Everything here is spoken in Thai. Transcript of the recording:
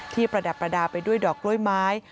ประดับประดาษไปด้วยดอกกล้วยไม้